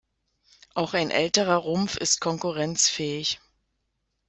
Auch ein älterer Rumpf ist konkurrenzfähig.